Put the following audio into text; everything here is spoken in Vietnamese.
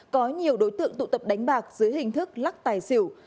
có nhiều đối tượng tụ tập đánh bạc dưới hình thức lắc tài xỉu